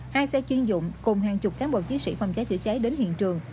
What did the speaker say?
hai xe chuyên dụng cùng hàng chục cán bộ chiến sĩ phòng cháy chữa cháy đến hiện trường